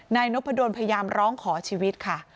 นายนพดลพยายามร้องขอชีวิตค่ะ